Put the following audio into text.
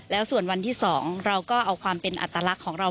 แล้วส่วนวันที่๒เราก็เอาความเป็นอัตลักษณ์ของเรา